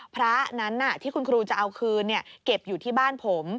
พระนั้นที่คุณครูจะเอาคืนเก็บอยู่ที่บ้านผม